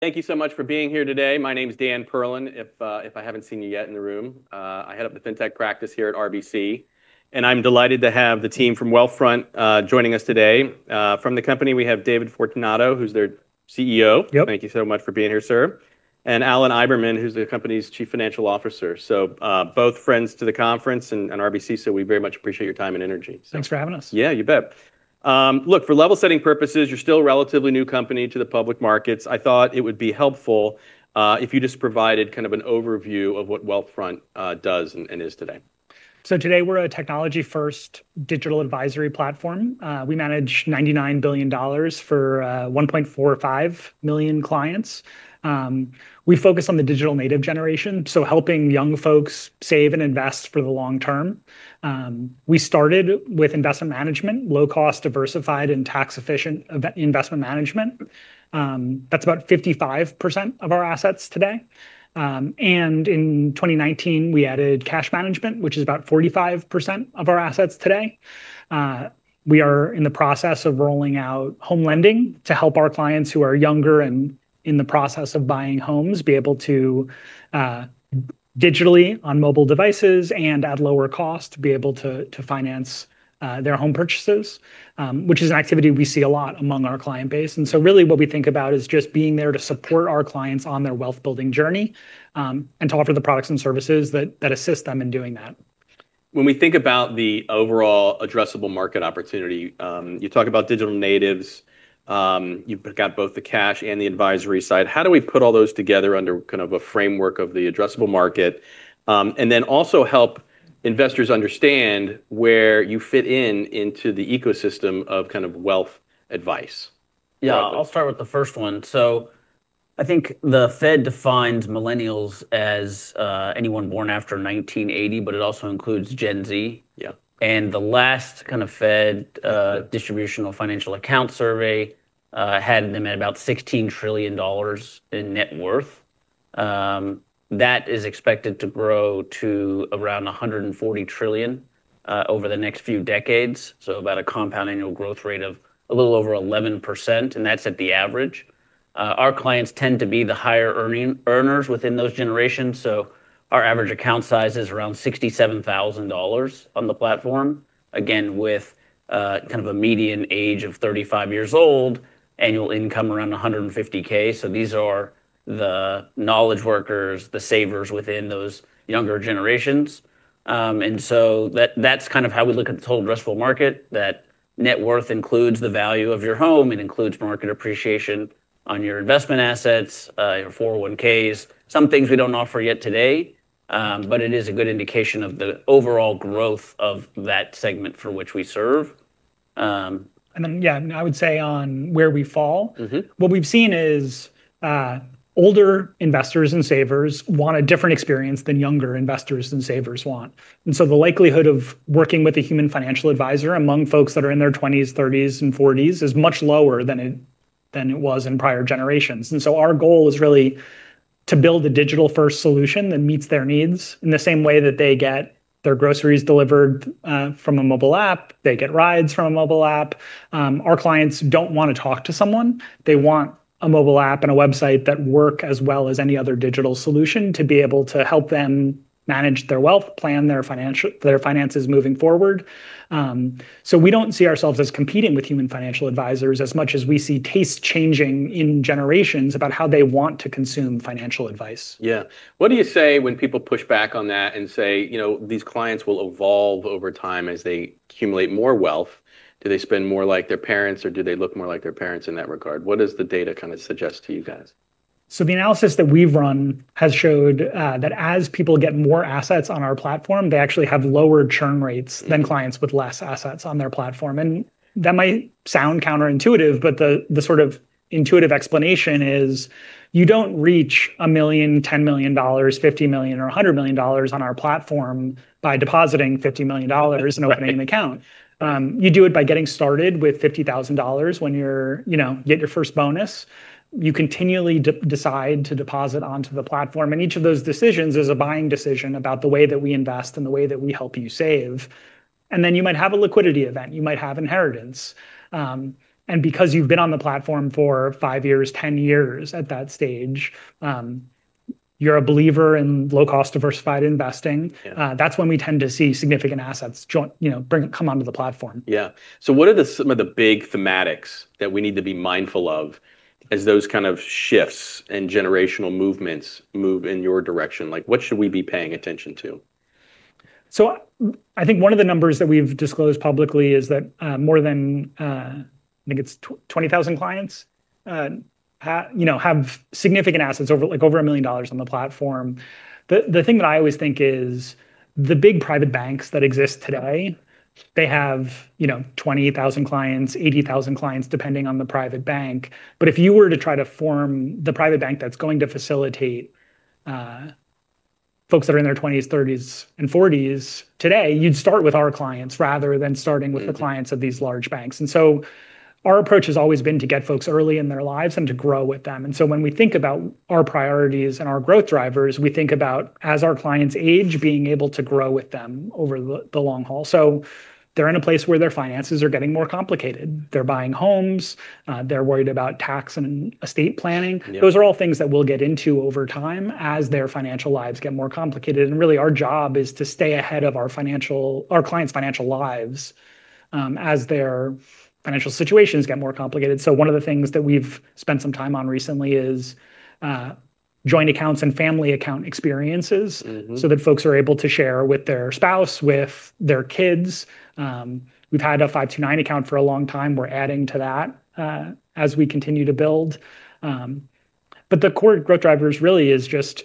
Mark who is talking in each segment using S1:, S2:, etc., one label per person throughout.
S1: Thank you so much for being here today. My name's Daniel Perlin, if I haven't seen you yet in the room. I head up the Fintech practice here at RBC, and I'm delighted to have the team from Wealthfront joining us today. From the company, we have David Fortunato, who's their CEO. Thank you so much for being here, sir. Alan Imberman, who's the company's Chief Financial Officer. Both friends to the conference and RBC, we very much appreciate your time and energy.
S2: Thanks for having us.
S1: Yeah, you bet. Look, for level setting purposes, you're still a relatively new company to the public markets. I thought it would be helpful if you just provided kind of an overview of what Wealthfront does and is today.
S2: Today, we're a technology-first digital advisory platform. We manage $99 billion for 1.45 million clients. We focus on the digital native generation, helping young folks save and invest for the long term. We started with investment management, low cost, diversified, and tax-efficient investment management. That's about 55% of our assets today. In 2019, we added cash management, which is about 45% of our assets today. We are in the process of rolling out Home Lending to help our clients who are younger and in the process of buying homes be able to digitally, on mobile devices, and at lower cost, be able to finance their home purchases. Which is an activity we see a lot among our client base. Really what we think about is just being there to support our clients on their wealth-building journey, and to offer the products and services that assist them in doing that.
S1: When we think about the overall addressable market opportunity, you talk about digital natives. You've got both the cash and the advisory side. How do we put all those together under kind of a framework of the addressable market, and then also help investors understand where you fit into the ecosystem of kind of wealth advice?
S3: Yeah. I'll start with the first one. I think the Fed defines millennials as anyone born after 1980, but it also includes Gen Z. The last kind of Federal Reserve distributional financial account survey had them at about $16 trillion in net worth. That is expected to grow to around $140 trillion over the next few decades, so about a compound annual growth rate of a little over 11%, and that's at the average. Our clients tend to be the higher earners within those generations. Our average account size is around $67,000 on the platform. Again, with kind of a median age of 35 years old, annual income around $150,000. These are the knowledge workers, the savers within those younger generations. That's kind of how we look at the total addressable market. That net worth includes the value of your home and includes market appreciation on your investment assets, your 401(k). Some things we don't offer yet today, but it is a good indication of the overall growth of that segment for which we serve.
S2: Yeah, I would say on where we fall. What we've seen is older investors and savers want a different experience than younger investors and savers want. The likelihood of working with a human financial advisor among folks that are in their 20s, 30s, and 40s is much lower than it was in prior generations. Our goal is really to build a digital first solution that meets their needs in the same way that they get their groceries delivered from a mobile app, they get rides from a mobile app. Our clients don't want to talk to someone. They want a mobile app and a website that work as well as any other digital solution to be able to help them manage their wealth, plan their finances moving forward. We do not see ourselves as competing with human financial advisors as much as we see tastes changing in generations about how they want to consume financial advice.
S1: Yeah. What do you say when people push back on that and say, "These clients will evolve over time as they accumulate more wealth. Do they spend more like their parents, or do they look more like their parents in that regard?" What does the data kind of suggest to you guys?
S2: The analysis that we've run has showed that as people get more assets on our platform, they actually have lower churn rates than clients with less assets on their platform. That might sound counterintuitive, but the sort of intuitive explanation is you do not reach $1 million, $10 million, $50 million, or $100 million on our platform by depositing $50 million and just opening an account. You do it by getting started with $50,000 when you get your first bonus. You continually decide to deposit onto the platform, and each of those decisions is a buying decision about the way that we invest and the way that we help you save. Then you might have a liquidity event. You might have inheritance. Because you've been on the platform for five years, 10 years at that stage, you're a believer in low-cost diversified investing. That's when we tend to see significant assets come onto the platform.
S1: Yeah. What are some of the big thematics that we need to be mindful of as those kind of shifts and generational movements move in your direction? What should we be paying attention to?
S2: I think one of the numbers that we've disclosed publicly is that more than, I think it's 20,000 clients have significant assets, over $1 million on the platform. The thing that I always think is the big private banks that exist today, they have 20,000 clients, 80,000 clients, depending on the private bank. If you were to try to facilitate folks that are in their 20s, 30s, and 40s today, you'd start with our clients rather than starting with the clients of these large banks. Our approach has always been to get folks early in their lives and to grow with them. When we think about our priorities and our growth drivers, we think about as our clients age, being able to grow with them over the long haul. They're in a place where their finances are getting more complicated. They're buying homes, they're worried about tax and estate planning. Those are all things that we'll get into over time as their financial lives get more complicated. Really our job is to stay ahead of our clients' financial lives, as their financial situations get more complicated. One of the things that we've spent some time on recently is joint accounts and family account experiences. That folks are able to share with their spouse, with their kids. We've had a 529 account for a long time. We're adding to that as we continue to build. The core growth drivers really is just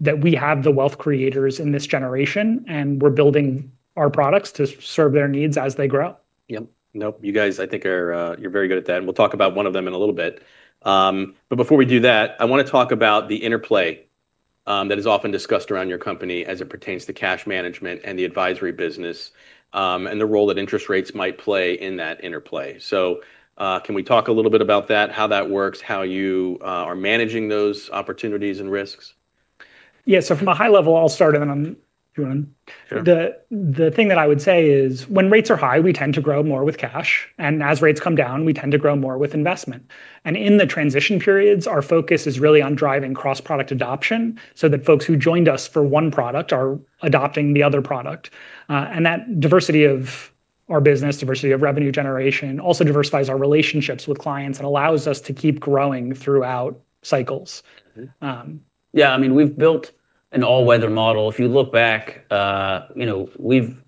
S2: that we have the wealth creators in this generation, and we're building our products to serve their needs as they grow.
S1: Yep. Nope. You guys, I think you're very good at that, and we'll talk about one of them in a little bit. Before we do that, I want to talk about the interplay that is often discussed around your company as it pertains to cash management and the advisory business, and the role that interest rates might play in that interplay. Can we talk a little bit about that, how that works, how you are managing those opportunities and risks?
S2: Yeah. From a high level, I'll start and then I'll let you in.
S3: Sure.
S2: The thing that I would say is when rates are high, we tend to grow more with cash, and as rates come down, we tend to grow more with investment. In the transition periods, our focus is really on driving cross-product adoption so that folks who joined us for one product are adopting the other product. That diversity of our business, diversity of revenue generation, also diversifies our relationships with clients and allows us to keep growing throughout cycles.
S3: Yeah, we've built an all-weather model. If you look back, Wealthfront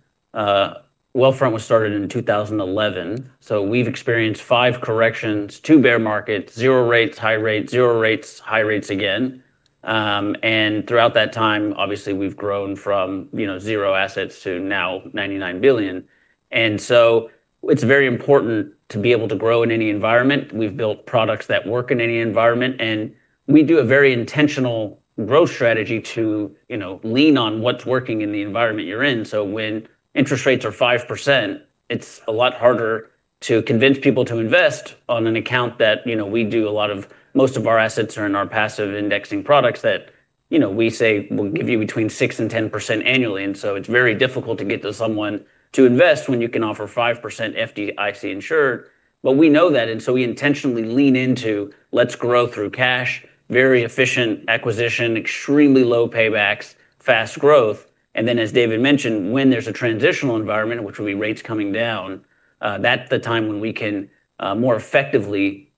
S3: was started in 2011, so we've experienced five corrections, two bear markets, zero rates, high rates, zero rates, high rates again. Throughout that time, obviously, we've grown from zero assets to now $99 billion. It's very important to be able to grow in any environment. We've built products that work in any environment, and we do a very intentional growth strategy to lean on what's working in the environment you're in. So when interest rates are 5%, it's a lot harder to convince people to invest on an account that we do a lot of, most of our assets are in our passive indexing products that we say will give you between 6% and 10% annually. It's very difficult to get someone to invest when you can offer 5% FDIC insured. We know that, so we intentionally lean into let's grow through cash, very efficient acquisition, extremely low paybacks, fast growth. Then, as David mentioned, when there's a transitional environment, which will be rates coming down, that's the time when we can more effectively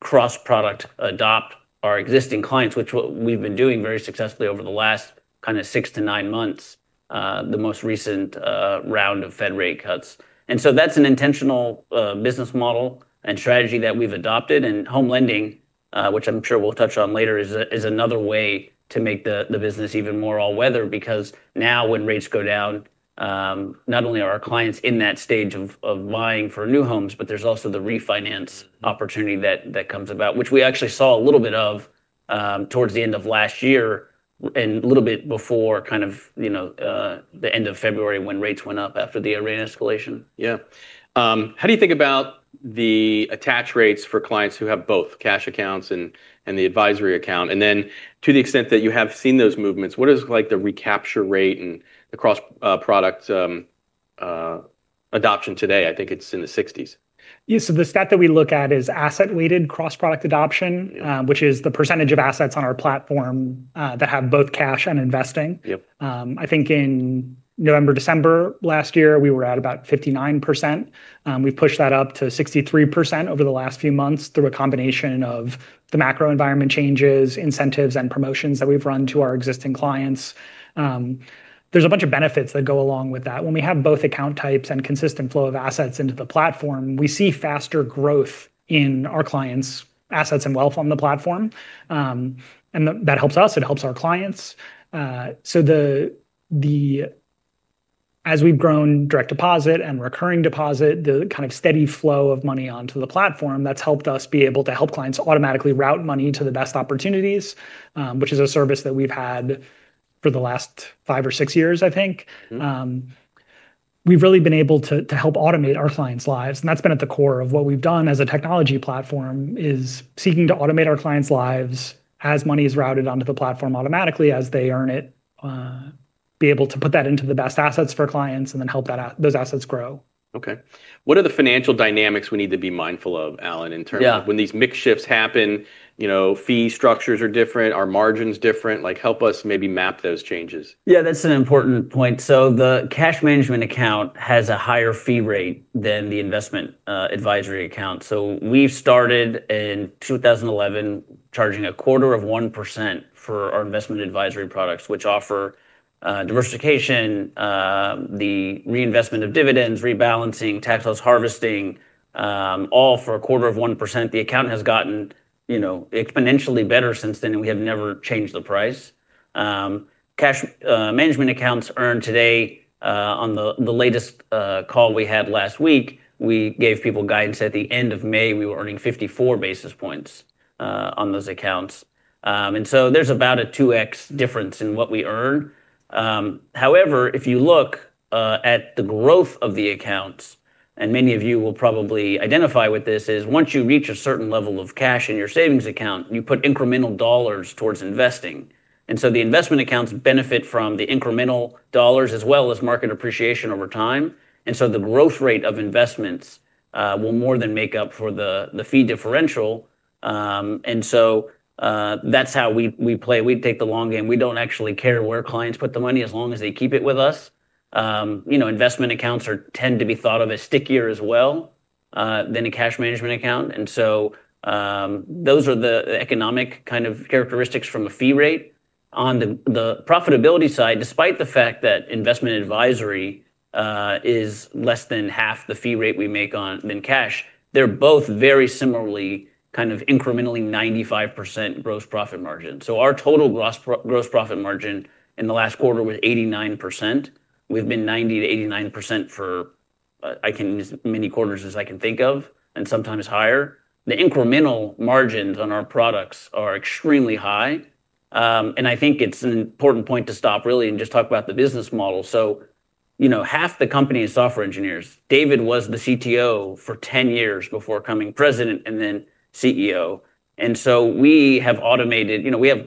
S3: cross-product adopt our existing clients, which is what we've been doing very successfully over the last six to nine months, the most recent round of Fed rate cuts. That's an intentional business model and strategy that we've adopted. Home Lending, which I'm sure we'll touch on later, is another way to make the business even more all-weather. Now when rates go down, not only are our clients in that stage of buying for new homes, but there's also the refinance opportunity that comes about, which we actually saw a little bit of towards the end of last year and a little bit before the end of February when rates went up after the Iran escalation.
S1: Yeah. How do you think about the attach rates for clients who have both Cash Accounts and the advisory account? To the extent that you have seen those movements, what is the recapture rate and the cross-product adoption today? I think it's in the 60s.
S2: Yeah, the stat that we look at is asset-weighted cross-product adoption which is the percentage of assets on our platform that have both cash and investing. I think in November, December last year, we were at about 59%. We've pushed that up to 63% over the last few months through a combination of the macro environment changes, incentives, and promotions that we've run to our existing clients. There's a bunch of benefits that go along with that. When we have both account types and consistent flow of assets into the platform, we see faster growth in our clients' assets and wealth on the platform. That helps us, it helps our clients. As we've grown direct deposit and recurring deposit, the steady flow of money onto the platform, that's helped us be able to help clients automatically route money to the best opportunities, which is a service that we've had for the last five or six years, I think. We've really been able to help automate our clients' lives, that's been at the core of what we've done as a technology platform, is seeking to automate our clients' lives as money is routed onto the platform automatically as they earn it, be able to put that into the best assets for clients, then help those assets grow.
S1: Okay. What are the financial dynamics we need to be mindful of, Alan, in terms of when these mix shifts happen, fee structures are different, are margins different? Help us maybe map those changes.
S3: Yeah, that's an important point. The cash management account has a higher fee rate than the investment advisory account. We've started in 2011 charging a quarter of 1% for our investment advisory products, which offer diversification, the reinvestment of dividends, rebalancing, tax-loss harvesting, all for a quarter of 1%. The account has gotten exponentially better since then, we have never changed the price. Cash management accounts earn today, on the latest call we had last week, we gave people guidance at the end of May, we were earning 54 basis points on those accounts. There's about a 2x difference in what we earn. However, if you look at the growth of the accounts, and many of you will probably identify with this, is once you reach a certain level of cash in your savings account, you put incremental dollars towards investing. The investment accounts benefit from the incremental dollars as well as market appreciation over time. The growth rate of investments will more than make up for the fee differential. That's how we play. We take the long game. We don't actually care where clients put the money, as long as they keep it with us. Investment accounts tend to be thought of as stickier as well than a cash management account. Those are the economic kind of characteristics from a fee rate. On the profitability side, despite the fact that investment advisory is less than half the fee rate we make on in cash, they're both very similarly kind of incrementally 95% gross profit margin. Our total gross profit margin in the last quarter was 89%. We've been 90%-89% for as many quarters as I can think of, and sometimes higher. The incremental margins on our products are extremely high. I think it's an important point to stop really and just talk about the business model. Half the company is software engineers. David was the CTO for 10 years before becoming president and then CEO. We have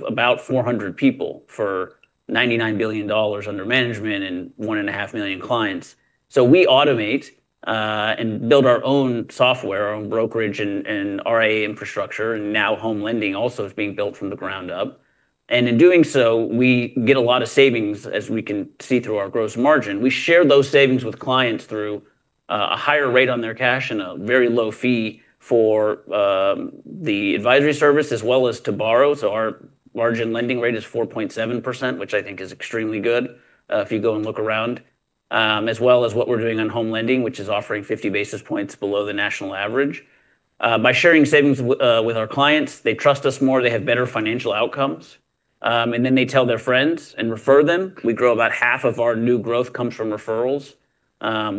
S3: about 400 people for $99 billion under management and one and a half million clients. We automate, and build our own software, our own brokerage, and RIA infrastructure, and now Home Lending also is being built from the ground up. In doing so, we get a lot of savings, as we can see through our gross margin. We share those savings with clients through a higher rate on their cash and a very low fee for the advisory service as well as to borrow. Our margin lending rate is 4.7%, which I think is extremely good, if you go and look around. As well as what we're doing on Home Lending, which is offering 50 basis points below the national average. By sharing savings with our clients, they trust us more, they have better financial outcomes. They tell their friends and refer them. We grow about half of our new growth comes from referrals,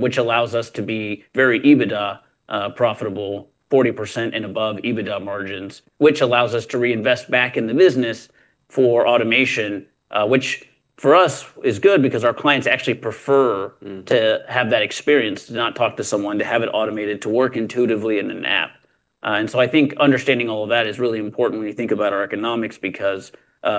S3: which allows us to be very EBITDA, profitable 40% and above EBITDA margins, which allows us to reinvest back in the business for automation, which for us is good because our clients actually prefer to have that experience, to not talk to someone, to have it automated, to work intuitively in an app. I think understanding all of that is really important when you think about our economics because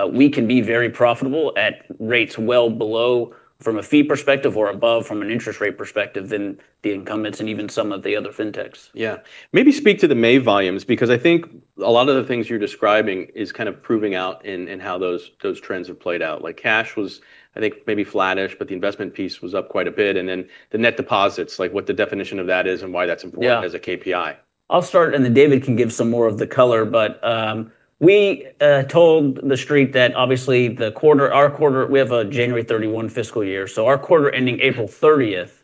S3: we can be very profitable at rates well below from a fee perspective or above from an interest rate perspective than the incumbents and even some of the other fintechs.
S1: Yeah. Maybe speak to the May volumes, because I think a lot of the things you're describing is kind of proving out in how those trends have played out. Like cash was, I think, maybe flattish, but the investment piece was up quite a bit. The net deposits, like what the definition of that is and why that's important as a KPI.
S3: I'll start. David can give some more of the color. We told the Street that obviously our quarter, we have a January 31 fiscal year. Our quarter ending April 30th,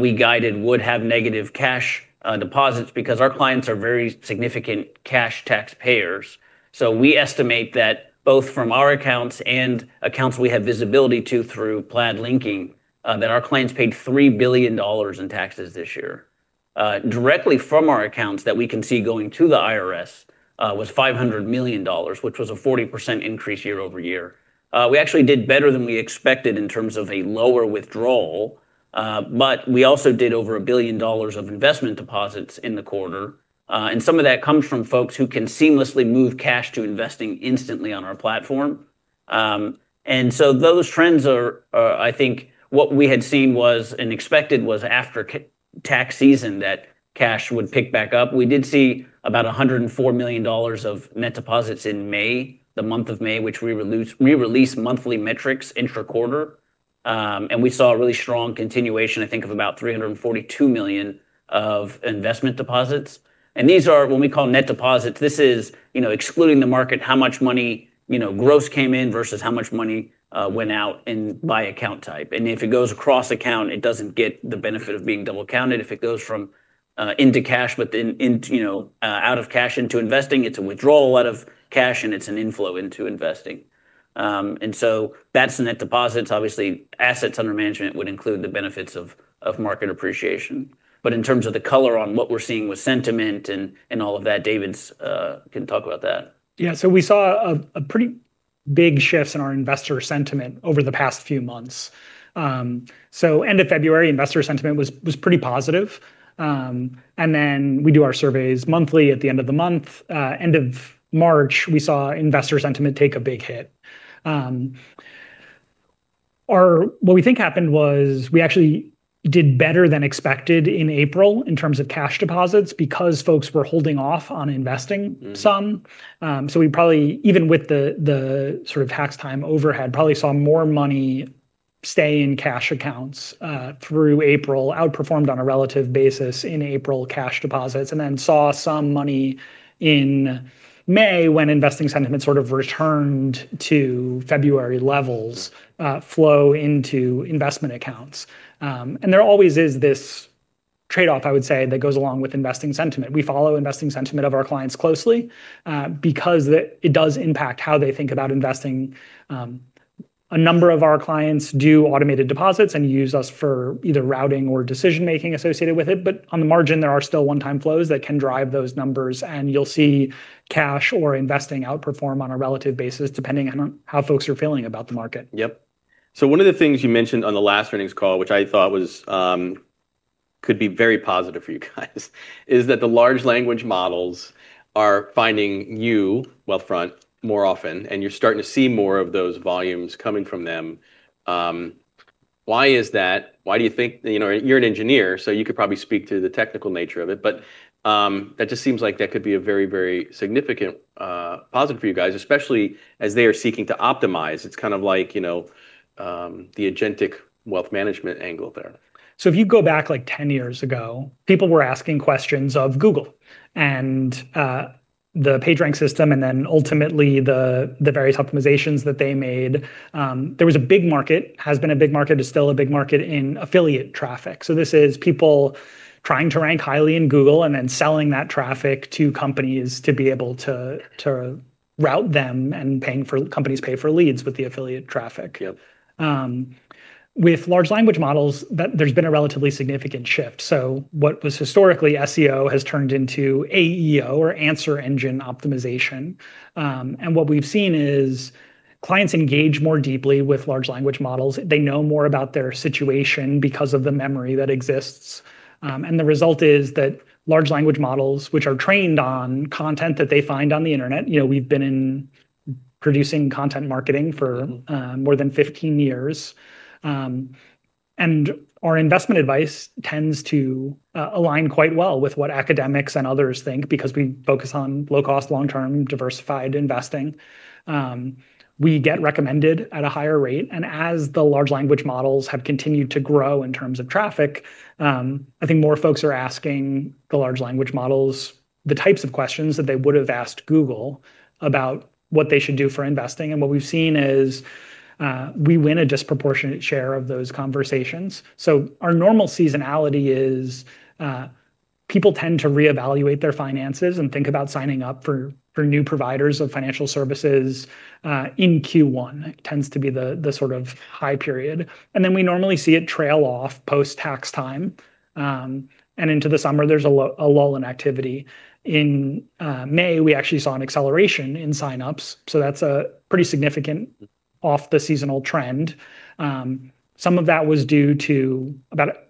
S3: we guided would have negative cash deposits because our clients are very significant cash taxpayers. We estimate that both from our accounts and accounts we have visibility to through Plaid linking, that our clients paid $3 billion in taxes this year. Directly from our accounts that we can see going to the IRS was $500 million, which was a 40% increase year-over-year. We actually did better than we expected in terms of a lower withdrawal. We also did over $1 billion of investment deposits in the quarter. Some of that comes from folks who can seamlessly move cash to investing instantly on our platform. Those trends are, I think what we had seen was, and expected was after tax season, that cash would pick back up. We did see about $104 million of net deposits in May, the month of May, which we release monthly metrics intra-quarter. We saw a really strong continuation, I think, of about $342 million of investment deposits. These are what we call net deposits. This is excluding the market, how much money gross came in versus how much money went out and by account type. If it goes across account, it doesn't get the benefit of being double counted. If it goes from into cash, but out of cash into investing, it's a withdrawal out of cash and it's an inflow into investing. That's net deposits. Obviously, assets under management would include the benefits of market appreciation. In terms of the color on what we're seeing with sentiment and all of that, David can talk about that.
S2: We saw a pretty big shifts in our investor sentiment over the past few months. End of February, investor sentiment was pretty positive. We do our surveys monthly at the end of the month. End of March, we saw investor sentiment take a big hit. What we think happened was we actually did better than expected in April in terms of cash deposits because folks were holding off on investing some. We probably, even with the sort of tax time overhead, probably saw more money stay in cash accounts, through April, outperformed on a relative basis in April cash deposits, and then saw some money in May when investing sentiment sort of returned to February levels, flow into investment accounts. There always is this trade-off, I would say, that goes along with investing sentiment. We follow investing sentiment of our clients closely, because it does impact how they think about investing. A number of our clients do automated deposits and use us for either routing or decision-making associated with it. On the margin, there are still one-time flows that can drive those numbers, and you'll see cash or investing outperform on a relative basis, depending on how folks are feeling about the market.
S1: One of the things you mentioned on the last earnings call, which I thought could be very positive for you guys, is that the large language models are finding you, Wealthfront, more often, and you're starting to see more of those volumes coming from them. Why is that? You're an engineer, so you could probably speak to the technical nature of it, but that just seems like that could be a very, very significant positive for you guys, especially as they are seeking to optimize. It's kind of like the agentic wealth management angle there.
S2: If you go back 10 years ago, people were asking questions of Google and the PageRank system and then ultimately the various optimizations that they made. There was a big market, has been a big market, is still a big market in affiliate traffic. This is people trying to rank highly in Google and then selling that traffic to companies to be able to route them, and companies pay for leads with the affiliate traffic. With large language models, there's been a relatively significant shift. What was historically SEO has turned into AEO, or answer engine optimization. What we've seen is clients engage more deeply with large language models. They know more about their situation because of the memory that exists. The result is that large language models, which are trained on content that they find on the internet, we've been producing content marketing for more than 15 years. Our investment advice tends to align quite well with what academics and others think because we focus on low-cost, long-term, diversified investing. We get recommended at a higher rate. As the large language models have continued to grow in terms of traffic, I think more folks are asking the large language models the types of questions that they would have asked Google about what they should do for investing. What we've seen is we win a disproportionate share of those conversations. Our normal seasonality is people tend to reevaluate their finances and think about signing up for new providers of financial services in Q1. It tends to be the sort of high period. Then we normally see it trail off post-tax time. Into the summer, there's a lull in activity. In May, we actually saw an acceleration in sign-ups, so that's pretty significant off the seasonal trend. About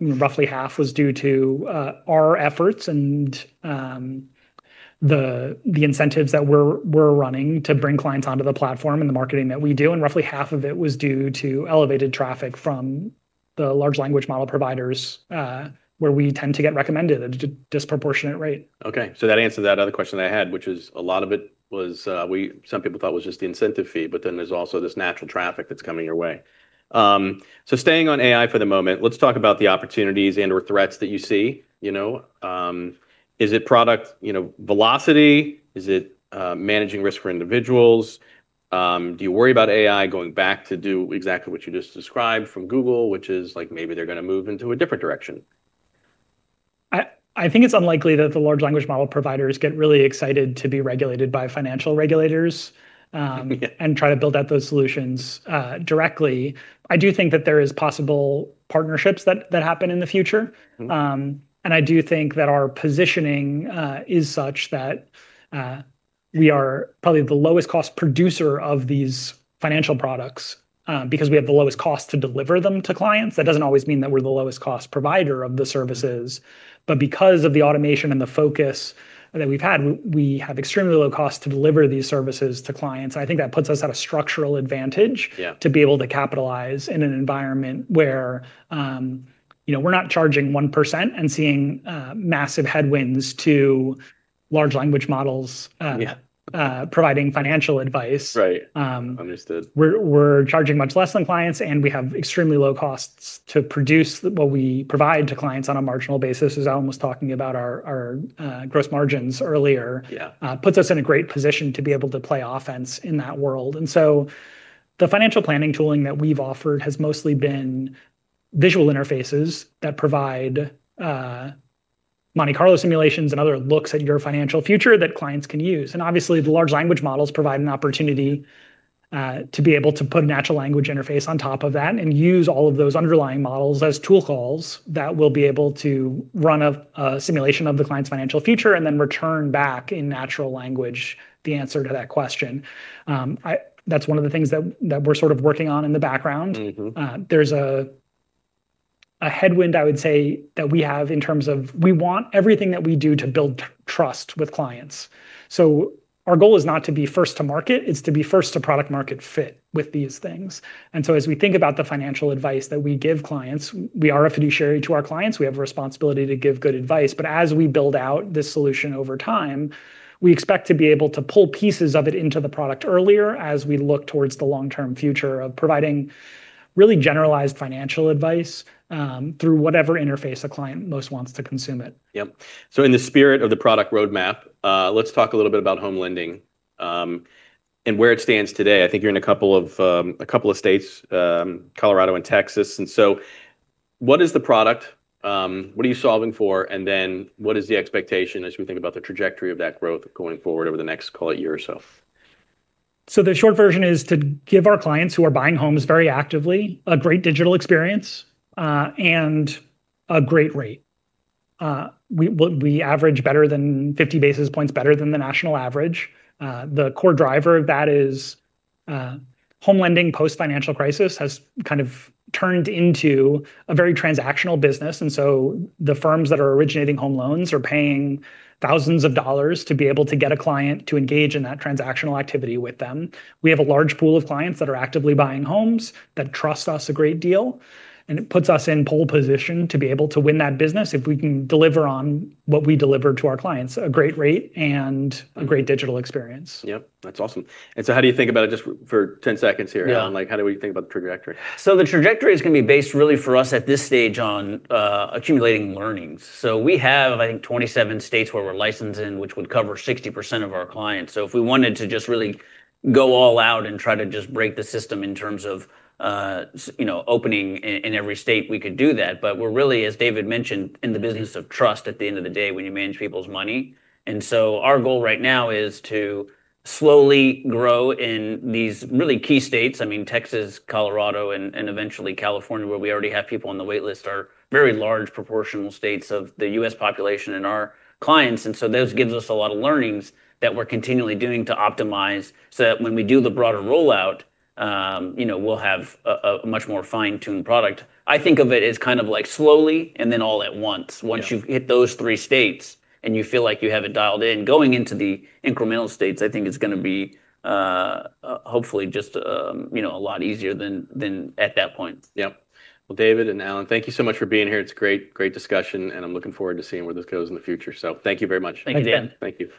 S2: roughly half was due to our efforts and the incentives that we're running to bring clients onto the platform and the marketing that we do, and roughly half of it was due to elevated traffic from the large language model providers, where we tend to get recommended at a disproportionate rate.
S1: That answered that other question that I had, which was, a lot of it some people thought was just the incentive fee, but then there's also this natural traffic that's coming your way. Staying on AI for the moment, let's talk about the opportunities and/or threats that you see. Is it product velocity? Is it managing risk for individuals? Do you worry about AI going back to do exactly what you just described from Google, which is maybe they're going to move into a different direction?
S2: I think it's unlikely that the large language model providers get really excited to be regulated by financial regulators and try to build out those solutions directly. I do think that there is possible partnerships that happen in the future. I do think that our positioning is such that we are probably the lowest cost producer of these financial products because we have the lowest cost to deliver them to clients. That doesn't always mean that we're the lowest cost provider of the services. Because of the automation and the focus that we've had, we have extremely low cost to deliver these services to clients, and I think that puts us at a structural advantage to be able to capitalize in an environment where we're not charging 1% and seeing massive headwinds to large language models providing financial advice.
S1: Right. Understood.
S2: We're charging much less than clients, and we have extremely low costs to produce what we provide to clients on a marginal basis, as Alan was talking about our gross margins earlier. Puts us in a great position to be able to play offense in that world. The financial planning tooling that we've offered has mostly been visual interfaces that provide Monte Carlo simulations and other looks at your financial future that clients can use. Obviously, the large language models provide an opportunity to be able to put a natural language interface on top of that and use all of those underlying models as tool calls that will be able to run a simulation of the client's financial future and then return back in natural language the answer to that question. That's one of the things that we're sort of working on in the background. There's a headwind, I would say, that we have in terms of we want everything that we do to build trust with clients. Our goal is not to be first to market, it's to be first to product market fit with these things. As we think about the financial advice that we give clients, we are a fiduciary to our clients. We have a responsibility to give good advice. As we build out this solution over time, we expect to be able to pull pieces of it into the product earlier as we look towards the long-term future of providing really generalized financial advice through whatever interface a client most wants to consume it.
S1: Yep. In the spirit of the product roadmap, let's talk a little bit about Home Lending and where it stands today. I think you're in a couple of states, Colorado and Texas. What is the product? What are you solving for? What is the expectation as we think about the trajectory of that growth going forward over the next, call it, year or so?
S2: The short version is to give our clients who are buying homes very actively a great digital experience, and a great rate. We average 50 basis points better than the national average. The core driver of that is Home Lending post-financial crisis has kind of turned into a very transactional business. The firms that are originating home loans are paying thousands of dollars to be able to get a client to engage in that transactional activity with them. We have a large pool of clients that are actively buying homes that trust us a great deal, and it puts us in pole position to be able to win that business if we can deliver on what we deliver to our clients, a great rate and a great digital experience.
S1: Yep. That's awesome. How do you think about it, just for 10 seconds here? Alan, how do we think about the trajectory?
S3: The trajectory is going to be based really for us at this stage on accumulating learnings. We have, I think, 27 states where we're licensed in, which would cover 60% of our clients. If we wanted to just really go all out and try to just break the system in terms of opening in every state, we could do that. We're really, as David mentioned, in the business of trust at the end of the day when you manage people's money. Our goal right now is to slowly grow in these really key states, I mean, Texas, Colorado, and eventually California, where we already have people on the wait list, are very large proportional states of the U.S. population and our clients. Those give us a lot of learnings that we're continually doing to optimize so that when we do the broader rollout, we'll have a much more fine-tuned product. I think of it as kind of like slowly and then all at once. Once you've hit those three states and you feel like you have it dialed in, going into the incremental states, I think it's going to be, hopefully, just a lot easier at that point.
S1: Yep. Well, David and Alan, thank you so much for being here. It's a great discussion, and I'm looking forward to seeing where this goes in the future. Thank you very much.
S2: Thank you, Dan.
S3: Thanks, Dan.
S1: Thank you.